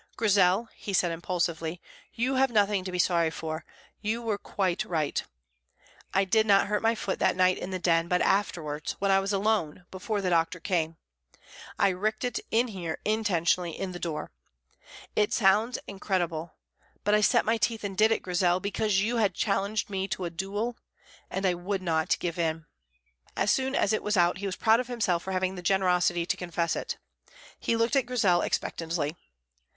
"Grizel," he said impulsively, "you have nothing to be sorry for. You were quite right. I did not hurt my foot that night in the Den, but afterwards, when I was alone, before the doctor came. I wricked it here intentionally in the door. It sounds incredible; but I set my teeth and did it, Grizel, because you had challenged me to a duel, and I would not give in." As soon as it was out he was proud of himself for having the generosity to confess it. He looked at Grizel expectantly.